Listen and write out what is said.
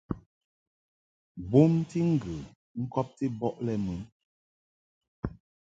Bomti ŋgə ŋkɔbti bɔ lɛ mɨ.